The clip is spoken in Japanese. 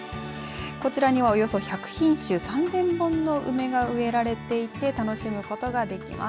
こちらにはおよそ１００品種３０００本の梅が植えられていて楽しむことができます。